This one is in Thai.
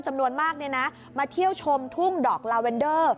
จำนวนมากมาเที่ยวชมทุ่งดอกลาเวนเดอร์